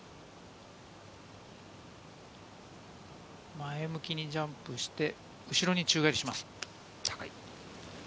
前向きにジャンプして、後ろに宙返りします。